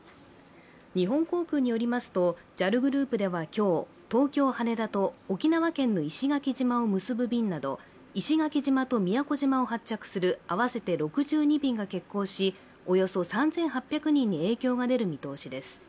日本航空によりますとＪＡＬグループでは今日東京・羽田と沖縄県の石垣島を結ぶ便など石垣島と宮古島を発着する合わせて６２便が欠航し、およそ３８００人に影響が出る見通しです。